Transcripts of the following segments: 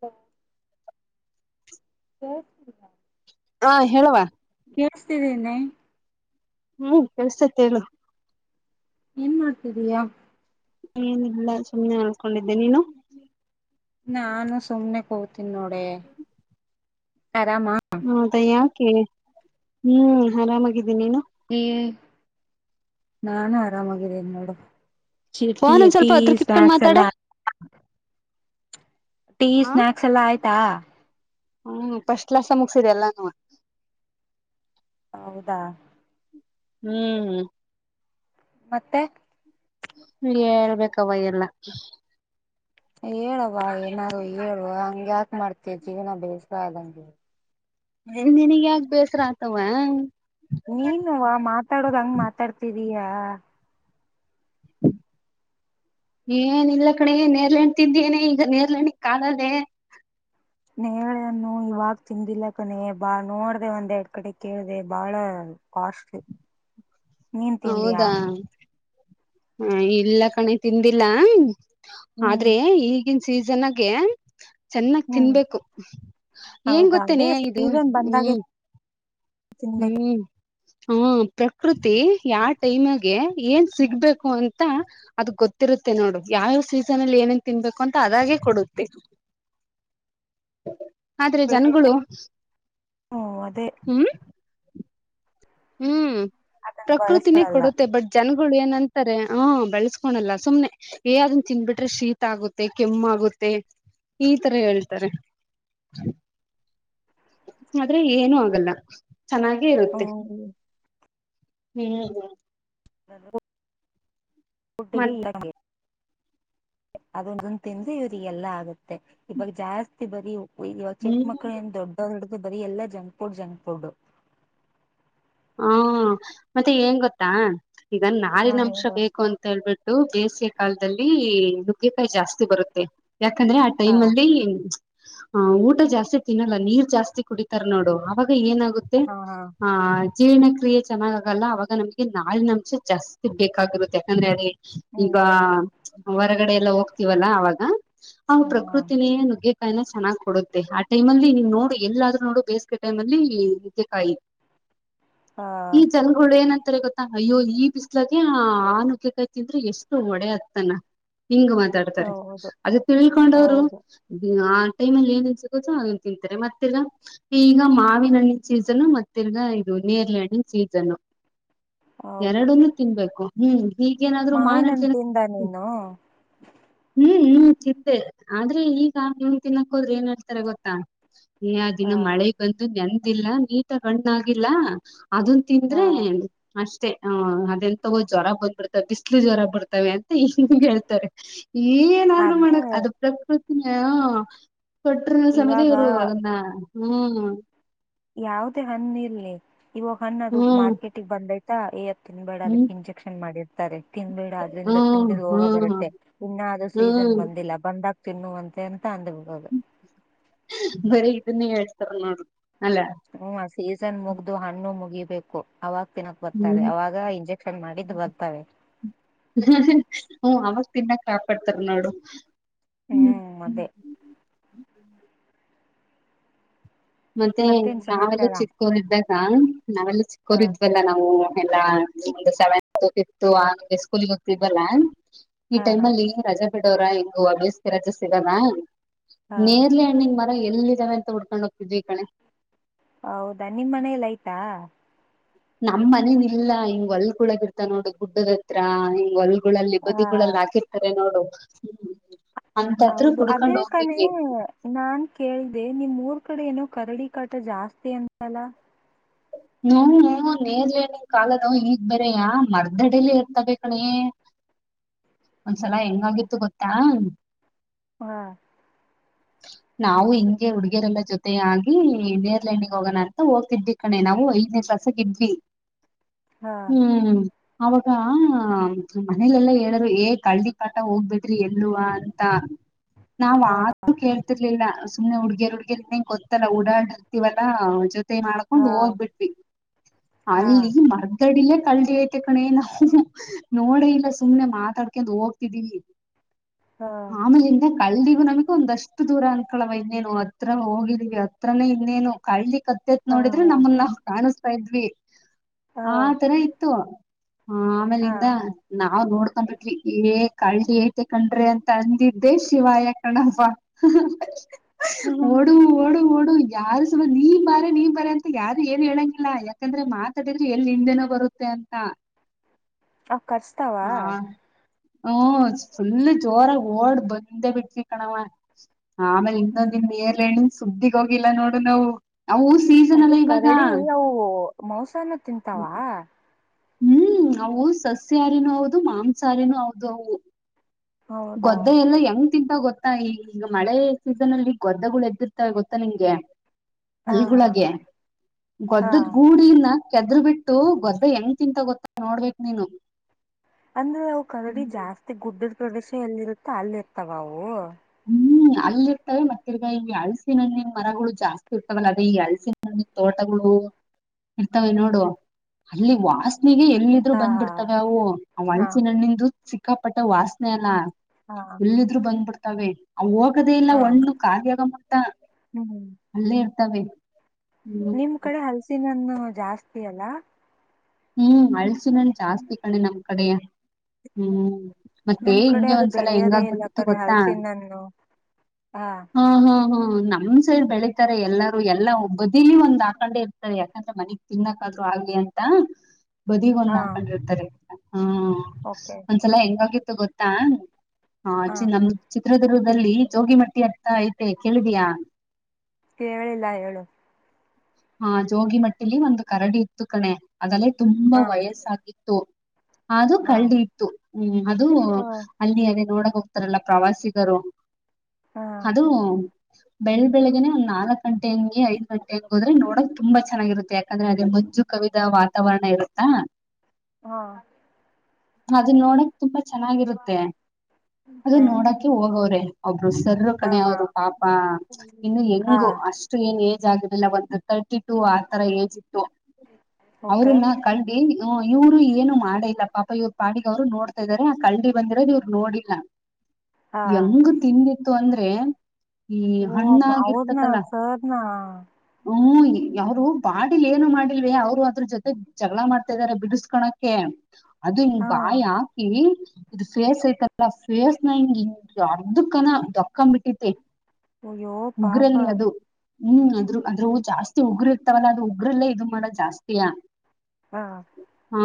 ಹ. ಕೆಲಸ್ತಿಲ್ವಾ? ಹಾ ಹೇಳವ್ವ. ನೆ ಹ್ಮ್ ಕೆಲ್ಸೈತೆ ಹೇಳು. ಏನ್ ಮಾಡ್ತಿದೀಯಾ? ಏನಿಲ್ಲ ಸುಮ್ನೆ ಮಲ್ಕೊಂಡಿದ್ದೆ ನೀನು? ನಾನು ಸುಮ್ನೆ ಕೂತಿನಿ ನೋಡೇ ಆರಾಮ? ಹದ ಯಾಕೆ? ಹ್ಮ್ ಆರಾಮಾಗಿದ್ದೀನಿ ನೀನು? ಹ್ಮ್, ನಾನು ಆರಾಮಾಗಿದ್ದೀನಿ ನೋಡು ಚಿ ಟಿ, ಫೋನ್ ಒಂದ್ ಸ್ವಲ್ಪ ಟೀ ಹತ್ರಕ್ ಇಟ್ಕೊಂಡ್ ಸ್ನಾಕ್ಸ್ ಮಾತಾಡೆ ಎಲ್ಲಾ ಟೀ ಸ್ನಾಕ್ಸ್ ಎಲ್ಲಾ ಆಯ್ ಟಾ ಹ್ಮ್ ಫಸ್ಟ್ ಕ್ಲಾಸ್ ಅಲ್ ಮುಗ್ಸಿದೆಲ್ಲಾನುವ ಹೌದಾ ಹ್ಮ್ ಮತ್ತೆ ಹೇಳ್ಬೇಕವ್ವ ಎಲ್ಲ. ಹೇಳವ್ವ ಏನಾದ್ರು ಹೇಳುವ ಹಂಗ್ಯಾಕ ಮಾಡ್ತಿ ಜೀವನ ಬೇಸರ ಆದಂಗೆ. ನಿನಿಗ್ ಯಾಕ್ ಬೇಸರ ಆತವ್ವಾ, ನೀನುವ್ವ ಮಾತಾಡೋದ್ ಹಂಗ್ ಮಾತಾಡ್ತಿದಿ. ದಿಯಾ [inaudible] ಏನ್ ಇಲ್ಲ ಕಣೆ ನೇ ನೇರಳೆಣ್ಣ ತಿಂದ್ಯನೇ ಈಗ ನೇರಳೆಹಣ್ಣಿನ ಕಾಲನೇ ನೇರಳೆ ಹಣ್ಣು ಇವಾಗ ತಿಂದಿಲ್ಲಕಣೆ ಬಾ ನೋಡ್ದೆ ಒಂದೆರಡ್ ಕಡೆ ಕೇಳ್ದೆ ಬಾಳ ಕಾಸ್ಟ್ಲಿ. ನೀನ್ ತಿಂದಿಯಾ ಹೌದಾ ಹಾ ಇಲ್ಲ ಕಣೆ ತಿಂದಿಲ್ಲಾ ಹ್ಮ್ ಆದ್ರೆ ಈ ಈಗ ಸೀಸನನಾಗೆ ಚೆನ್ನಾಗ ಹ್ಮ್ ತಿನ್ಬೇಕು ಎನ್ನ ಹೌದಾ ಅದೇ ಗೊತ್ತೇನೆ ಇದು ಬಂದಾಗೆ ಹ್ಮ್ ತಿನ್ಬೇಕು ಹ್ಮ್ ಹಾ ಪ್ರಕೃತಿ ಯಾವ ಟೈಮ್ಗೆ ಏನ್ ಸಿಗ್ಬೇಕು ಅಂತ ಅದು ಗೊತ್ತಿರುತ್ತೆ ನೋಡು ಯಾವ ಸೀಸನ್ ಅಲ್ಲಿ ಏನೇನ್ ತಿನ್ಬೇಕು ಅಂತ ಅದಾಗೆ ಕೊಡುತ್ತೆ ಆದ್ರೆ ಬೆಳೆನೂ ಜನಗಳು ಅದೇ ಹ್ಮ್ ಹ್ಮ್ ಅದನ್ನ ಪ್ರಕೃತಿನೇ ಬಳಸ್ಕೊಳಲ್ಲ ಕೊಡುತ್ತೆ ಬಟ್ ಜನ ಏನಂತಾರೆ ಹ ಬೆಳಸ್ಕೊಳಲ್ಲ ಸುಮ್ನೆ ಏದನ್ ತಿನ್ಬಿಟ್ರೆ ಶೀತ ಆಗುತ್ತೆ ಕೆಮ್ಮಗುತ್ತೆ ಈ ತರ ಹೇಳ್ತಾರೆ ಆದ್ರೆ ಏನು ಆಗಲ್ಲ [inaudible] ಚೆನ್ನಾಗೆ ಇರುತ್ತೆ ಹ್ಮ್ ಹ್ಮ್- ಹ್ಮ್ [inaudible] ಗುಟ್ಟಿಗೆ ಮತ್ [unintelligible] ಅದೊಂದಂದು ತಿಂದೀ ಇವ್ರರಿಗೆಲ್ಲಾ ಆಗುತ್ತೆ ಇವಾಗ ಜಾಸ್ತಿ ಬರೀ ಇಗ ಹ್ಮ್ ಚಿಕ್ಕಕ್ಳ ಏನ್ ದೊಡ್ಡೊರ ಬರಿ ಎಲ್ಲಾ ಜಂಕ್ ಫುಡ್ ಜಂಕ್ ಫುಡ್ ಹಾ ಮತ್ತೆ ಏನ್ ಗೊತ್ತಾ ಈಗ ಹಾ ನಾರಿನ ಅಂಶ ಹೇಳು ಬೇಕು ಅಂತ ಹೇಳ್ಬಿ ಬೇಸಿಗೆ ಕಾಲದಲ್ಲಿ ನುಗ್ಗೆಕಾಯಿ ಜಾಸ್ತಿ ಬರುತ್ತೆ ಯಾಕಂದ್ರೆ ಆ ಹಾ ಟೈಮ್ ಅಲ್ಲಿ ಹ ಊಟ ಜಾಸ್ತಿ ತಿನ್ನಲ್ಲ ನೀರ್ ಜಾಸ್ತಿ ಕುಡಿತಾರ ನೋಡು ಅವಾಗ ಆಗ ಏನಾಗುತ್ತೆ ಹಾ ಆಯ್ ಜೀರ್ಣ ಕ್ರಿಯೆ ಚೆನ್ನಾಗ ಆಗಲ್ಲ ಅವವಾಗ ನಮ್ಗೆ ನಾರಿನ ಅಂಶ ಜಾಸ್ತಿ ಬೇಕಾಗಿರುತ್ತೆ ಯಾಕಂದ್ರೆ ಅಲ್ಲಿ ಈಗ ಹ್ಮ್ ಹೊರಗಡೆ ಎಲ್ಲ ಹೋಗ್ತಿವಲ್ಲ ಅವಾಗ ಅವ ಹಾ ಪ್ರಕೃತಿನೇ ನುಗ್ಗೆಕಾಯಿನ ಚೆನ್ನಾಗ ಕೊಡುತ್ತೆ ಹಾಟ್ ಟೈಮ ಅಲ್ಲಿ ನೀವು ನೋಡಿ ಎಲ್ಲಾದ್ರೂ ನೋಡು ಬೇಸಗೆ ಟೈಮ್ ಅಲ್ಲಿ ನುಗೆಕಾಯಿ ಹಾ ಈ ಜನಗಳು ಏನಂತಾರೆ ಗೊತ್ತ ಅಯ್ಯೋ ಈ ಬ್ಲೆ ಆ ನುಗೆಕಾಯಿ ತಿಂದ್ರೆ ಎಷ್ಟು ಒಡೆ ತನ ಹಿಂಗ ಮಾತಾಡ್ತಾರೆ ಹೌದು ಅದ ತಿಳ್ಕೊಂಡವರು ಹೌದು ಆ ಟೈಮಲ್ಲಿ ಏನೇನು ಸಿಗುತ್ತೋ ತಿಂತಾರೆ ಮತ್ತೆ ತಿರಗಾ ಈಗ ಮಾವಿನ ಹಣ್ಣಿನ ಸೀಸನ್ನು ಮತ್ತೆ ತಿರಗಾ ಇದು ನೀರ್ಲ ಹಣ್ಣಿನ ಸೀಸನ್ ಹೌದು ಎರಡನ್ನು ತಿನ್ಬೇಕು ಹ್ಮ್ ಈಗೇನಾದ್ರು ಮಾ [inaudible] ಮಾವಿನ ಹಣ್ಣು ತಿಂದಾ ನೀನು ಹ್ಮ ಹ್ಮ ತಿಂದೆ ಆದ್ರೆ ಈಗ ನೀನ್ ತಿನ್ನಕ್ ಹೋದ್ರೆ ಏನ್ಡ್ತಾರ ಗೊತ್ತಾ ನೀ ಆ ಹಾ ದಿನ ಮಳೆ ಬಂದು ನೆನ್ [inaudible] ನೀಟ ಹಣ್ಣಾ ಿಲ್ಲಾ ಅದನ್ ಹಾ ತಿಂದ್ರೆ ಅಷ್ಟ [inaudible] ಅದೆಂತವೊ ಜ್ವರ ಬಂದ್ಬರ್ತವೆ ಬಿಸ್ಲು ಜ್ವರ ಬರ್ತಾವೆ ಹ ಹೇಳ್ತಾರೆ ಏನಾದ್ರು ಅದೇ ಮಾಡಕ್ ಅದು ಪ್ರಕೃತಿ ಹಾಹಾ ಕೊಟ್ರ ಸಮಯತಿ ಇವಾಗ ಇವರು ಅದನ್ನ ಹ್ಮ್ ಯಾವುದೇ ಹಣ್ಣಿರ್ಲಿ ಇವಾಗ ಹಣ್ಣ ಅದು ಹ್ಮ್ ಮಾರ್ಕೆಟಿಗೆ ಬಂದೈತಿ ಹಾ ಇ ತಿನ್ಬೇಡ ಅದಕ್ಕೆ ಹ್ಮ್ ಇಂಜೆಕ್ಷನ್ ಮಾಡಿರ್ತಾರೆ ತಿನ್ಬೇಡ ಅದ್ರಿಂದ ಹ್ಮ್ ತಿಂದಿ ರೋಗ ಹ್ಮ್ ಬರುತ್ತೆ ಇನ್ನ ಅದು ಸೀಸನ್ ಹ್ಮ್ ಬಂದಿಲ್ಲ ಬಂದಾಗ ತಿನ್ನುೂ ಅಂದನು ತಾಂದುು ಹೋಗದು ಬರೀ ಇದನ್ನ ಹೇಳ್ತಾರ ನೋಡು ಅಲ್ಲ ಹ್ಮ ಸೀಸನ್ ಮುಗ್ದು ಹಣ್ಣು ಮುಗಿ ಬೇಕು ಅವಾಗ ತಿನ್ನಕ್ ಬರ್ತರೆ ಹ್ಮ್ ಅವಾಗ ಇಂಜೆಕ್ಷನ್ ಮಾಡಿದ್ದು ಬರ್ತವೆ ಹ್ಮ ಅವಾಗ ತಿನ್ನಾಕ್ ಕಾಪಾಡ್ತಾರ ನೋಡು ಹ್ಮ್ ಅದೇ ಹ್ಮ ಮತ್ತೆ ಮತ್ತೇನ್ ನಾವೆಲ್ಲ ಸಮಾಚಾರ ಚಿಕ್ಕಕೊರಿದ್ದಾಗ್ ಹಾ ನಾವೆಲ್ಲ ಹ ಚಿಕ್ಕೋರಿದ್ವಲ್ಲ ನಾವು ಎಲ್ಲಾ ಒ ಸೆವೆನ್ತ್ ಫಿಫ್ತತ್ ಆಗೆ ಸ್ಕೂಲ್ಗೆ ಹೋಗ್ತಿದ್ವಲ್ಲಾ ಈ ಹಾ ಟೈಮ್ ಹಾ ಅಲ್ಲಿ ರಾಜಾಪಟೆ ಅವ್ರಾ ಇಗ ಹಬ್ಳಸ್ ರಜೆ ಸಿಗದಾ ಹಾ ನೇರಲೇ ಹಣ್ಣಿನ್ ಮರ ಎಲ್ಲಿ ಜನಂತ ಹುಡ್ಕೊಂಡೋಗ್ [unintelligible] ಕಣೆ. ಹೌದಾ ನಿಮ್ಮ್ ಮನೆಯಲ್ಲಿ ಆಯ್ತಾ. ನಮ್ ಮನನ್ ಇಲ್ಲಾ ಹಿಂಗ್ ಹೊಲ್ಕಳಗ ಇರ್ತ ನೋಡು ಗುಡ್ಡದತ್ರ ಹಿಂಗ ಹೊಲ್ ಗಳಲ್ಲಿ ಹ ಬದಿಗಳಲ್ಲಿ ಹಾಕಿರ್ತಾರೆ ನೋಡು. ಹ್ಮ. ಹೌದು ಅದೇ ಕಣೆ ನಾನ್ ಕೇಳ್ದ ನಿಮ್ ಊರ್ ಕಡೆ ಏನೋ ಕರಡಿ ಕಾಟ ಜಾಸ್ತಿ ಅಂತಲ್ಲ. ಹು ಹೂ ನೆರ್ಲೆಹಣ್ಣಿನ್ ಕಾಲನಾ ಈಗ್ ಬೇರೆಯ ಮರ್ದಡಲಿ ಇರ್ತವೆ ಕಣೆ, ಒಂದ್ಸಲ ಹೆಂಗಾಗಿತ್ತು ಗೊತ್ತಾ ಹಾ. ನಾವು ಹಿಂಗೆ ಹುಡ್ಗಿಯರೆಲ್ಲ ಜೊತ ಆಗಿ ನೆರ್ಲೆ ಹಣ್ಣಿಗೆ ಹೋಗೋಣ ಅಂತ ಹೋಗ್ತಿದ್ದಿ ಕಣೆ ನಾಮಗ್ ಐದನೇ ಕ್ಲಾಸಲ್ಲಿ ಇದ್ವಿ. ಹಾ ಹ್ಮ್. ಅವಾಗ ಮನೇಲೆೆಲ್ಲ ಹೇಳರು, ಏ ಕರಡಿ ಕಾಟ ಹೋಗಬೇಡ್ರಿ ಎಲ್ಲವಾ ಅಂತ. ನಾವ್ ಹಾ ಮಾತು ಹಾ ಕೇಳ್ತಿರ್ಲಿಲ್ಲ. ಸುಮ್ಮನೆ ಹುಡ್ಗೇ ಹುಡ್ಗೇರ್ ಇನ್ನೇಂಗ ಗೊತ್ತಲ್ಲ ಓಡಾಡ್ರ್ತಿವಲ್ಲಾ ಜೊ ತೆ ಹಾ ಮಾಡ್ಕೊಂಡು ಹೋಗ್ಬಿಟ್ ಟ್ವಿ ಹಾ ಅಲ್ಲಿ ಮರ್ಡಡಿಲೇ ಕಲ್ಡಿ ಐತೆ ಕಣೆ ನಾವು ನೋಡ ಇಲ್ಲ ಸುಮ್ನೆ ಮಾತಾಡ್ಕೊಂಡ್ ಹೋಗ್ತಿದ್ದೀವಿ. ಹಾ ಆಮೇಲಿಂದ ಕಳ್ದಿ ನಮಿಗೊಂದಷ್ಟು ದೂರ ಅನ್ಕಳವ ಇನ್ನೇನು ಹತ್ರ ಹೋಗಿದೀವಿ ಹತ್ರನೇ ಇನ್ನೇನು ಕಳ್ಳಿ ಕತ್ತೆತ್ ನೋಡಿದ್ರೆ ಹಾ ನಮ್ಮನ್ನ ಅನಿಸ್ತಾ ಇದ್ವಿ. ಹಾ ಆ ತರ ಇತ್ತು ಹಾ ಹಾ ಆಮೇಲಿಂದ ನ ನಾವ್ ನೋಡ್ಕೊಂಡ್ ಬಿಟ್ವಿ ಏ ಕಳ್ಳಿ ಐತೆ ಕಣ್ರಿ ಅಂತ ಅಂದಿದ್ದೆ ಶಿವಾಯ ಕಣಪ್ಪ ಹ ಹ ಹ್ಮ್ ಹ್ಮ್ ಹ್ಮ್ ಓಡು ಓಡು ಓಡು ಯಾರ ಸಮ ನೀನ್ ಬಾರೆ ನೀನ್ ಬಾರೆ ಅಂತ ಯಾದಿ ಏನ್ ಹೇಳಂಗಿಲ್ಲ ಯಾಕಂದ್ರೆ ಮಾತಾಡಿದ್ರೆ ಎಲ್ ಹಿಂದೆನೋ ಬರುತ್ತೆ ಅಂತ. ಅವ್ ಕಚ್ತಾವ ಹ್ಮ ಫುಲ್ ಜೋರಾಗ ಓಡ್ ಬಂದೆ ಬಿಟ್ವಿ ಕಣವ್ವ. ಆಮೇಲೆ ಹ್ಮ್ [unintelligible] ನೇರ್ಳೆ ಹಣ್ಣು. ಸುದ್ದಿಗ್ ಹೋಗಿಲ್ಲ ನೋಡು ನಾವು. ಅವು ಸೀಸನ್ ಅಲ್ಲ ಇವಾಗ್ ರೆಡಿ ಇಯ್ ಅವುವು ಓ ಮೋಸಾನ ತಿಂತಾವ? ಹ್ಮ್ ಅವು ಸಸ್ಯಾರಿನೂ ಹೌದು ಮಾಂಸಹಾರಿನೂ ಹೌದು ಅವು. ಹೌದಾ ಗೊದ್ದೆ ಎಲ್ಲಾ ಹೆಂಗ್ ತಿಂತಾವ್ ಗೊತ್ತಾ ಈ ಈಗ ಮಳೆ ಸೀಸನ್ ಅಲ್ಲಿ ಗೊದ್ದಗಳೆದ್ದಿರ್ತವೆ ಗೊತ್ತಾ ನಿಂಗೆ ಹ ಹಾ ಹೊಲ್ಗುಳಾಗೆ ಹಾ ಗೊದ್ದುದ್ ಗೂಡು ಇಲ್ಲಾ ಕೆದ್ರು ಬಿಟ್ಟು ಗೊದ್ದ ಹೆಂಗ್ ತಿಂತಾವ್ ಗೊತ್ತ ನೋಡ್ಬೇಕ್ ನೀನು. ಅಂದ್ರೆ ಅವ್ ಕರಡಿ ಜಾಸ್ತಿ ಗುಡ್ಡಿಡ್ ಪ್ರೊವಿಶಿ ಎಲ್ಲಿರುತ್ತೊ ಅಲ್ಲಿರ್ತಾವ ಅವು? ಹ್ಮ್ ಅಲ್ಲಿರ್ತವೆ ಮತ್ತಿರ್ಗ ಈ ಅಳಸಿನಣ್ಣಿನ್ ಮರಗುಳು ಜಾಸ್ತಿ ಇರ್ತವಲ್ಲ ಅದೇ ಈ ಅಳ್ಸಿನ ಹಣ್ಣಿನ್ ತೋಟಗುಳು ಇರ್ತವೆ ನೋಡು ಅಲ್ಲಿ ವಾಸ್ ನೆಗೆ ಎಲ್ಲಿದ್ರು ಹಾ ಬಂದ್ ಹಾ ಬಿಡ್ತಾವೆ ಅವು. ಅವ್ ಹಾ ಹಲ್ಸಿನ್ ಹಣ್ಣಿಂದು ಸಿಕ್ಕಾಪಟ್ಟೆ ವಾಸ್ನೆನ ಹಾ ಎಲ್ಲಿದ್ರು ಬಂದ್ಬಿಡ್ ತವೆೇ. ಅವ್ ಹೋಗದೇ ಇಲ್ಲ ಹಾ ಆವಣ್ಣು ಕಾಲಿ ಆಗೋ ಮಟ್ಟ ಹ್ಮ್ ಅಲ್ಲೇ ತವೆೇ ನಿಮ್ ಕಡೆ ಹಲ್ಸಿನಣ್ಣು ಜಾಸ್ತಿ ಅಲ. ಹ್ಮ್, ಹಳ್ಸಿನಣ್ಣು ಜಾಸ್ತಿ ಕಣೆ ನಮ್ ಕಡೇ ಹ್ಮ್. ಮತ್ತೆ ನಮ್ ಕಡೆ ಹಿಂಗೆ ಅದು ಒಂದ್ಸಲ ಹೆಂಗ ಬೆಳೆಯದೇ ಇಲ್ಲ ಆಗ್ಬಿಟ್ಟಿತ್ತು ಕಡೆ ಗೊತ್ತಾ, ಹಲಸಿನನ್ನು ಹಾ ಹಾ ಹಾ ನಮ್ ಸೈಡ್ ಬೆಳತಾರೆ ಎಲ್ಲಾರೂ, ಎಲ್ಲಾ ಒಬ್ಬ ಬದಿಲಿ ಒಂದ್ ಆಕೊಂಡೆ ಇರ್ತಾರೆ ಯಾಕಂದ್ರೆ ಮನಗ್ ತಿನ್ನಕಾದ್ರು ಆಗ್ಲಿ ಅಂತ. ಬದಿಗೊಂದ್ ಹಾ ಹಾಕೊಂಡಿರ್ತಾರೆ. ಹಾ ಓಕೆ ಒಂದ್ಸಲ ಹೆಂಗಾಗಿ ತ್ತು ಗೊತ್ತಾ? ಹಾ ಚಿ ನಮ್ದು ಚಿತ್ರದುರ್ಗದಲ್ಲಿ ಜೋಗಿಮಟ್ಟಿ ಅಂತ ಐತೆ, ಕೇಳಿದ್ಯಾ? ಕೇಳಿಲ್ಲ ಹೇಳು. ಹಾ ಜೋಗಿ ಮಟ್ಟಿಲಿ ಒಂದು ಕರಡಿ ಇತ್ತು ಕಣೆ. ಅದಲ್ಲೇ ತುಂಬಾ ಹಾ ವಯಸ್ಸಾಗಿತ್ತು. ಅದು ಹಾ ಕಳ್ಳದಿ ಇತ್ತು, ಹ್ಮ್ ಅದು ಹಾ ಅಲ್ಲಿ ಅದೇ ನೋಡಕ್ ಹೋಗ್ತಾರಲ್ಲ ಪ್ರವಾಸಿ ಗರು. ಹಾ ಅದು ಬೆಳ ಬೆಳಗ್ಗೆನೆ ಒಂದ್ ನಾಲ್ಕು ಗಂಟೆ ಹಂಗೆ ಐದ್ ಗಂಟೆಂ ಹೋದ್ರೆ ನೋಡಕ್ ತುಂಬಾ ಚೆನ್ನಾಗಿರುತ್ತೆ ಯಾಕಂದ್ರೆ ಅದೇ ಮಂಜು ಕವಿದಾ ವಾತಾವರಣ ಇರುತ್ತಾ. ಹಾ ಅದನ್ ನೋಡ ತುಂಬಾ ಚೆನ್ನಾಗಿರುತ್ತೆ, ಹಾ ಅದು ಹಾ ನೋಡಕೆ ಹೋಗೋರೆ, ಒಬ್ರು ಸರ್ ಕಣೆ ಹಾ ಅವರು ಪಾಪ, ಇನ್ನು ಹಾ ಎಂಗು, ಅಷ್ಟು ಏನ್ ಏ ಜಾಗದೆಲ್ಲ [unintelligible] ಟು ಆತರ ಏಜಿತ್ತು, ಓಕೆ ಅವ್ರನ್ನ ಕಲ್ಡಿ ಹ ಇವ್ರು ಏನು ಮಾಡೇ ಇಲ್ಲ ಪಾಪ, ಇವ್ರು ಪಾಡಿಗೆ ಅವ್ರು ನೋಡ್ತಾ ಇದಾರೆ, ಆ ಕಲ್ಡಿ ಬಂದಿರೋದು ಇವ್ರು ನೋಡಿಲ್ಲ. ಹಾ ಎಂಗ ತಿಂದೆ ಅಂದ್ರೆ ಈ ಓ ಅವರ್ನ ಹಣ್ಣಾಗಿರ್ತತಲ್ಲ ಸರ್ನಾ ಹ್ಮ್ ಅವ್ರು ಬಾಡಿಲ್ ಏನು ಮಾಡಿಲ್ವೆ, ಅವ್ರು ಅದ್ರ ಜೊತೆ ಜಗಳ ಮಾಡ್ತಾ ಇದಾರೆ ಬಿಡಿಸಕೋಳಕೆ. ಅದು ಹಿಂಗ್ ಹಾ ಬಾಯಿ ಹಾಕಿ ಇದು ಫೇಸ್ ಐತಲ್ಲ ಫೇಸ್ ನ ಹಿಂಗ್ ಇ ಅರ್ಧ ಕನ ದೊಕ್ಕ್ಂಮ್ಬಿಟ್ಟತಿ. ಅಯ್ಯೋ ಪಾಪಾ ಹುಂ ಅದ್ರೂ ಅದ್ರೂ ಜಾಸ್ತಿ ಉಗರು ಇರ್ತವಲ್ಲ ಅದು ಉಗ್ರಲ್ಲೇ ಇದು ಮಾಡದು ಜಾಸ್ತಿಯಾ. ಹಾ ಹಾ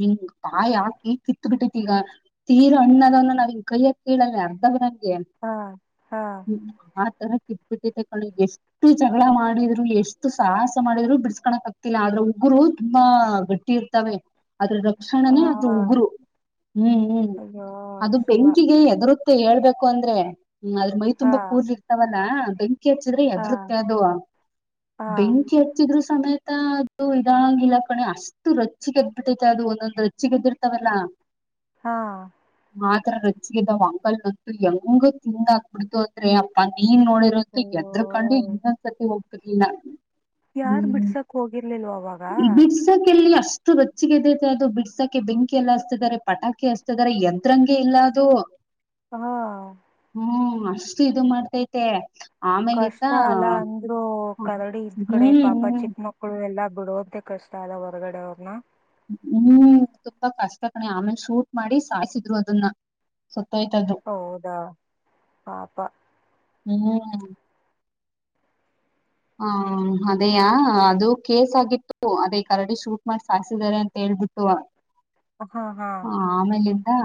ಹಿಂಗ ಬಾಯಿ ಹಾಕಿ ಕಿತ್ ಬಿಟ್ಟೈತಿ ಈಗ ತೀರ ಹಣ್ಣದನ್ನ ನಾವಿಂಗೆ ಕೈಯಕ್ ಕೀಳಲ್ಲಾ ಅರ್ಧವ ಏನ್ ಹಾ ಹಾ ಹ್ಮ ಹ ಒಂತರ ಕಿಟ್ಪಿಟಾ ತಕೊಂಡು ಎಷ್ಟು ಜಗಳಾ ಮಾಡ ಮಾಡಿದ್ರು ಎಷ್ಟು ಸಾಹಸ ಮಾಡಿದ್ರು ಬಿಡಿಸ್ಕೊಳಕ್ ಆಗ್ತಿಲ್ಲ ಅದ್ರ ಉಗುರು ತುಂಬಾ ಗಟ್ಟಿ ಇರ್ತಾವೆ ಅದ್ರ ಆ ರಕ್ಷಣನೇ ಅದರ ಉಗುರು ಹ್ಮ್ ಹ್ಮ್ ಅಯ್ಯೋ ಅದು ಶಿವ ಬೆಂಕಿಗೆ ಹೇದರು ಮತ್ತೆ ಹೇಳ್ಬೇಕು ಅಂದ್ರೆ ಹ್ಮ್ ಅದ್ರ ಮೈ ಹಾ ತುಂಬಾ ಕುದಲ ಇರ್ತವಲ್ಲಾ [unintelligible] ಬೆಂಕಿ ಹಚ್ಚಿದ್ರೆ ಹಾ ಹೆದರುತೇ ಅದು ಹಾ ಬೆಂಕಿ ಹಚ್ಚಿದರು ಆದ್ರು ಸಮೇತ ಅದು ಇದಾಂಗಂಗಿಲ್ಲ ಕಣೆ ಅಷ್ಟು ರೊಚ್ಚ ಗೆದ್ಬಿಟ್ಟೈತೆ ಅದು ಒಂದೊಂದು ರೊಚ್ಚಿ ಏದ್ದಿರ್ತಾವಲ್ಲ ಹಾ ಆತರ ರೊಚ್ಚಿಗ ಏದಾವ ಅಂಗಲ್ಗ ಅಂತು ಹೆಂಗು ತಿಂದಾಕ್ ಬಿಡ್ತು ಅದ್ರೆ ಅಪ್ಪ. ನೀನ್ ನೋಡಿರಂತು ಅಯ್ಯೋ ಹೆದರಕೊಂಡು ಇನ್ನೊಂದಸರ್ತಿ ಹೋಗ್ [unintelligible] ಯಾರ ಬಿಡ್ಸಕ್ ಹೋಗಿರಲಿಲ್ವಾ ಅವಾಗ ಬಿಡ್ಸಕ್ಕೆಲ್ಲಿ ಅಷ್ಟು ರೊಚ್ಚಿಗೆದೈತೆ ಅದು ಬಿಡ್ಸಾಕೆ ಬೆಂಕಿ ಎಲ್ಲಾ ಹಚ್ಚಿತಿದಾರೆ ಪಟಾಕಿ ಹಸ್ತಿದ್ದಾರೆ ಹೆದರಂಗ್ಗೆ ಇಲ್ಲ ಅದು ಹಾ ಹ್ಮ್ ಅಷ್ಟು ಇದು ಮಾಡ್ತೈತೆ ಆಮೇಲೆ ಇತ್ತ ಓ ಕರಡಿ ಇದ್ ಕಡೆ ಪಾಪ ಚಿಕ್ ಮಕ್ಳು ಎಲ್ಲಾ ಬಿಡೋದ್ಕೆ ಕಷ್ಟ ಅಲ್ಲ ಹೊರಗಡೆ ಅವ್ರ್ ನ? ಹ್ಮ್ ತುಂಬಾ ಕಷ್ಟ ಕಣೆ ಆಮೇಲ್ ಶೂಟ್ ಮಾಡಿ ಸಾಯ್ಸಿದ್ರು ಅದುನ್ನ ಸತ್ ಹೌದಾ ಪಾಪ. ಹ್ಮ್ ಹಾಂ ಹಾಂ ಅದೆಯಾ ಹ್ಮ್ ಅದು ಕೇಸ್ ಆಗಿತ್ತು ಅದೇ ಕರಡಿ ಶೂಟ್ ಮಾಡಿ ಸಾಯಸಿದ್ದಾರೆ ಅಂತ್ ಹೇಳ್ಬಿಟ್ಟು ಹಾಂ ಹಾ ಹಾ ಆಮೇಲಿಂ ಆ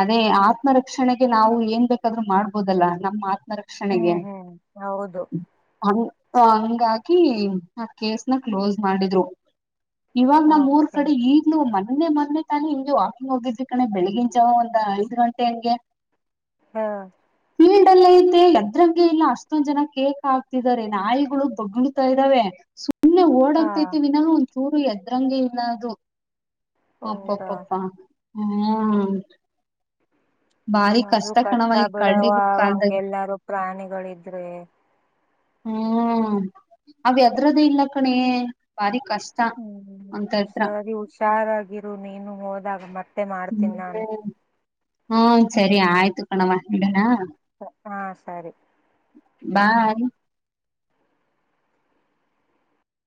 ಅದೇ ಆತ್ಮರಕ್ಷಣೆಗೆ ನಾವು ಏನ್ ಬೇಕಾದ್ರೂ ಮಾಡ್ಬೋದಲ್ಲ ನಮ್ಮ ಆತ್ ಮ ರಕ್ಷಣೆಗೆ ಹ್ಮ್ ಹ್ಮ್ ಹೌದು ಅವ್ ಸೋ ಹಂಗಾಗಿ ಆ ಕೇಸ್ನ ಕ್ಲೋಸ್ ಮಾಡಿದ್ರು. ಇವಾಗ ನಮ್ ಊರ್ ಓಕೆ ಕಡೆ ಈಗ್ಲೂ ಮನ್ ಮನ್ನೆ ಮೊನ್ನೆ ತಾನೆ ಹಿಂಗೆ ವಾಕಿಂಗ್ ಹೋಗಿದ್ವಿ ಕಣೆ ಬೆಳಗಿನ್ ಜಾವ ಒಂದ ಐದ್ ಗಂಟೆ ಹಂಗೆ ಹಾಂ ಫೀಲ್ಡ್ ಅಲ್ ಐತೆ ಎದ್ರಂಗೆ ಇಲ್ಲ ಅಷ್ಟೊಂದ್ ಜನ ಕೇಕ್ ಹಾಕ್ತಿದ್ದಾರೆ. ನಾಯ್ಗುಳು ಬೊಗುಳ್ತಾ ಇದ್ದಾವೆ ಸು ಸುಮ್ನೆ ಹಾ ಓಡೋಗ್ತೈತೆ ವಿನಃ ಒಂದ್ ಚೂರು ಎದ್ರಂಗೆ ಇಲ್ಲ ಅದು. ಹೌದಾ ಅಪ್ಪಪ್ಪ. ಹ್ಮ. ಒಂದು ಕಷ್ಟ ಬಿಡವ ಕಾಲ್ದಲ್ಲಿ ಹಂಗೆಲ್ಲಾರು ಪ್ರಾಣಿಗಳಿದ್ರೆ. ಹ್ಮ್ ಅದ್ ಹೆದ್ರೋದೆ ಇಲ್ಲ ಕಣೆ ಬಾರಿ ಕಷ್ಟ ಹ್ಮ್ ಒಂತತ್ರ ಸರಿ ಹುಷಾರಾಗಿ ನೀನು ಹೋದಾಗ ಮತ್ತೆ ಮತ್ತೆ ಮಾಡ್ತೀನಿ ನಾನು. ಹ್ಮ ಸರಿ ಆಯ್ತು ಕಣವ್ವ ಇಡನಾ. ಹಾ ಸರಿ ಬಾಯ್.